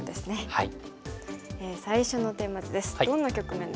はい。